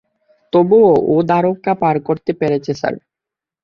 তবুও, ও দ্বারকা পার করতে পেরেছে, স্যার!